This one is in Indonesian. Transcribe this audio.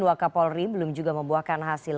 waka polri belum juga membuahkan hasil